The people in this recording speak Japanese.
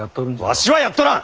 わしはやっとらん！